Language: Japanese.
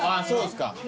そうですか。